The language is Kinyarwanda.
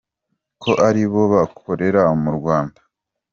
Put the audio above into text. ko ari bo bakorera mu Rwanda.